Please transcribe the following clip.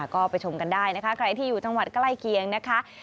ก็ไปชมกันได้นะคะใครที่อยู่จังหวัดใกล้เคียงนะคะ